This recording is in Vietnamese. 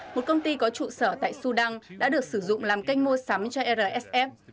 một công ty có trụ sở tại sudan đã được sử dụng làm kênh mua sắm cho rsf